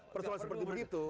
persoalannya seperti begitu